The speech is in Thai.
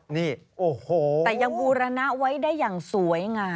นี่โอ้โหแต่ยังบูรณะไว้ได้อย่างสวยงาม